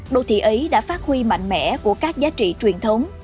đô thị ấy đã phát huy mạnh mẽ của các giá trị truyền thống